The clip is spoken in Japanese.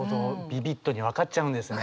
ビビッドに分かっちゃうんですね。